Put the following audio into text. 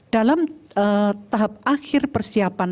dalam tahap akhir persiapan